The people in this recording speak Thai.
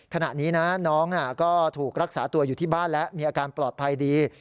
ขณะนี้นะน้องก็ถูกรักษาตัวอยู่ที่บ้านแล้วมีอาการปลอดภัยดี